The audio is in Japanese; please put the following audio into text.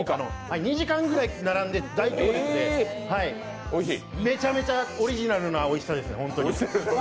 ２時間ぐらい並んでめちゃめちゃオリジナルなおいしさです。